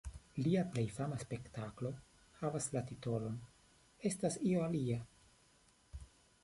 Lia plej fama spektaklo havas la titolon "Estas io alia".